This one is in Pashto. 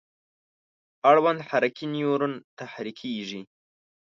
اړوند حرکي نیورون تحریکیږي.